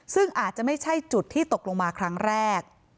ซึ่งอาจจะไม่ใช่จุดที่ตกลงมาครั้งแรก